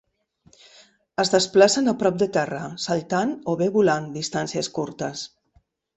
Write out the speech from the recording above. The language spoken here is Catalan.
Es desplacen a prop de terra, saltant o bé volant distàncies curtes.